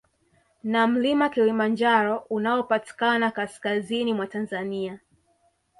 Na mlima Kilimanjaro unaopatikana kaskazini mwa Tanzania